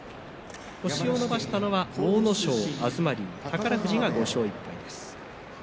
星を伸ばしたのが阿武咲、東龍と宝富士５勝１敗です。